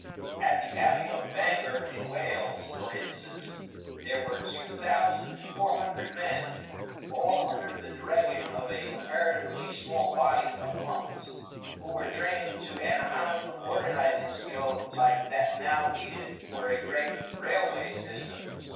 At the abbey of Bangor in Wales, for instance, there were two thousand four hundred men, all under the direction of a comparatively small body of monks, who were trained to an amount of organizing skill like that now needed for a great railway system.